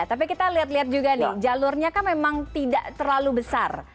tapi kita lihat lihat juga nih jalurnya kan memang tidak terlalu besar